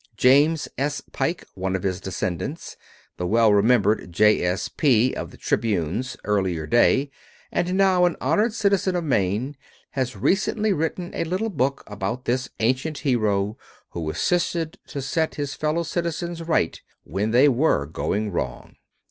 James S. Pike, one of his descendants, the well remembered "J. S. P." of the "Tribune's" earlier day, and now an honored citizen of Maine, has recently written a little book about this ancient hero who assisted to set his fellow citizens right when they were going wrong.